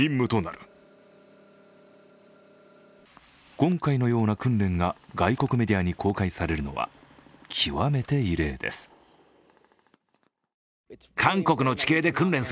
今回のような訓練が外国メディアに公開されるのは極めて異例です。